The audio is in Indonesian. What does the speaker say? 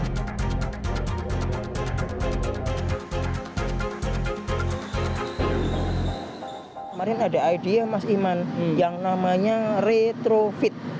mas iman kemarin ada idea mas iman yang namanya retrofit